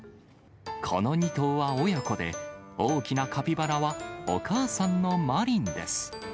この２頭は親子で、大きなカピバラはお母さんのまりんです。